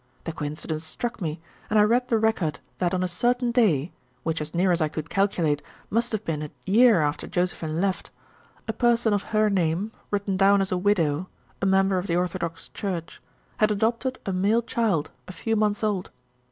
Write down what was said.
The coincidence struck me, and I read the record that on a certain day, which as near as I could calculate, must have been a year after Josephine left, a person of her name, written down as a widow, a member of the Orthodox Church, had adopted a male child a few months old.